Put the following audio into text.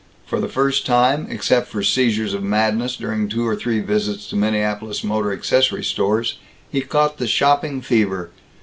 For the first time, except for seizures of madness during two or three visits to Minneapolis motor accessory stores, he caught the shopping fever.